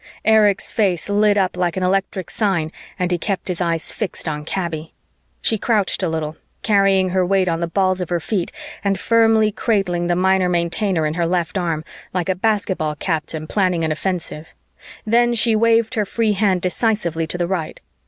Erich's face lit up like an electric sign and he kept his eyes fixed on Kaby. She crouched a little, carrying her weight on the balls of her feet and firmly cradling the Minor Maintainer in her left arm, like a basketball captain planning an offensive. Then she waved her free hand decisively to the right.